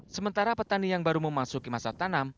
sementara petani yang baru memasuki masa tanam